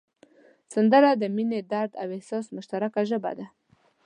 سندره د مینې، درد او احساس مشترکه ژبه ده